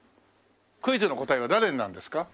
クイズの答えは誰になるんですか？